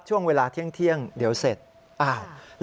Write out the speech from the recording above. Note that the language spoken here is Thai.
ช่วงเวลาเที่ยงเดี๋ยวเสร็จ